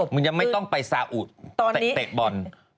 ยังไม่ต้องไปซาอุเตะบอล